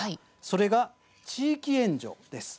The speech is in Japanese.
それが、地域援助です。